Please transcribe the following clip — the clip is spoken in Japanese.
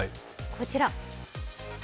こちら。